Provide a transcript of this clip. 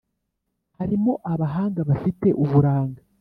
harimo abahanga bafite uburanga